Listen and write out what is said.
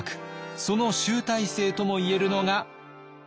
その集大成とも言えるのが。